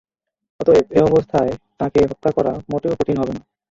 অতএব এ অবস্থায় তাঁকে হত্যা করা মোটেও কঠিন হবে না।